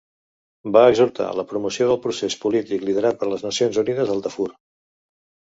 Va exhortar a la promoció del procés polític liderat per les Nacions Unides al Darfur.